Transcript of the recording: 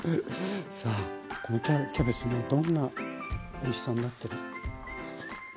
さあこのキャベツねどんなおいしさになってる。